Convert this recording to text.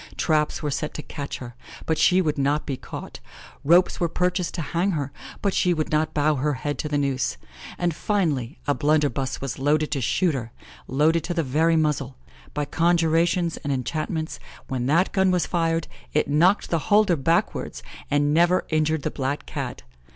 Traps were set to catch her, but she would not be caught; ropes were purchased to hang her, but she would not bow her head to the noose; and, finally, a blunderbuss was loaded to shoot her loaded to the very muzzle. By conjurations and enchantments, when that gun was fired, it knocked the holder backwards, and never injured the black Cat.